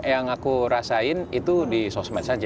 so far yang aku rasain itu di sosmed saja